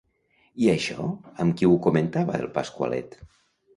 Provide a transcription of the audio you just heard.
I això amb qui ho comentava el Pasqualet?